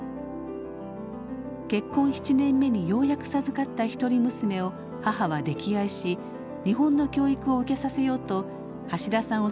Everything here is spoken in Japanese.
結婚７年目にようやく授かった一人娘を母は溺愛し日本の教育を受けさせようと橋田さんを連れて帰国。